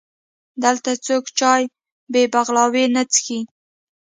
دلته څوک چای بې بغلاوې نه څښي.